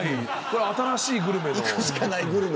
新しいグルメの。